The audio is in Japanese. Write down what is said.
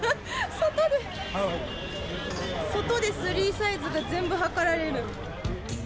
外でスリーサイズが全部測られる。